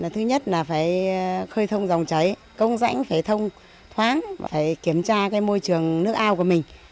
thứ nhất là phải khơi thông dòng cháy công rãnh phải thông thoáng phải kiểm tra môi trường nước ao của mình